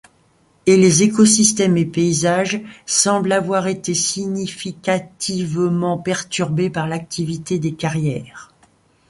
Et les écosystèmes et paysages semblent avoir été significativement perturbés par l'activité des carrières.